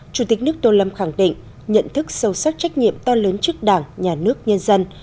chủ tịch nước tô lâm khẳng định nhận thức sâu sắc trách nhiệm to lớn trước đảng nhà nước nhân dân